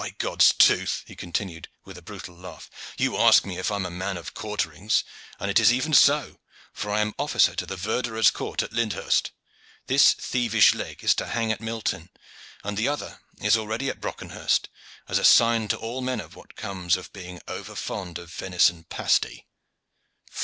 "By God's tooth!" he continued, with a brutal laugh, "you ask me if I am a man of quarterings, and it is even so, for I am officer to the verderer's court at Lyndhurst. This thievish leg is to hang at Milton, and the other is already at Brockenhurst, as a sign to all men of what comes of being over fond of venison pasty."